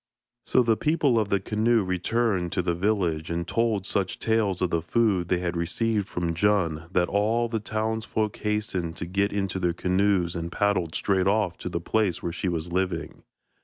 So the people of the canoe returned to the village, and told such tales of the food they had received from Djun that all the townsfolk hastened to get into their canoes and paddled straight off to the place where she was living.